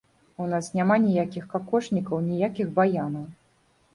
У нас няма ніякіх какошнікаў, ніякіх баянаў.